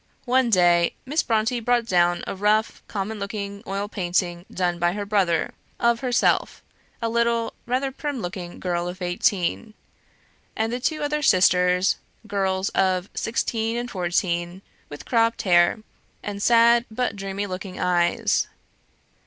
One day, Miss Brontë brought down a rough, common looking oil painting, done by her brother, of herself, a little, rather prim looking girl of eighteen, and the two other sisters, girls of sixteen and fourteen, with cropped hair, and sad, dreamy looking eyes.